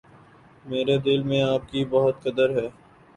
میرے دل میں آپ کی بہت قدر ہے۔